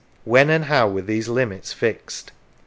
When and how were these limits fixed?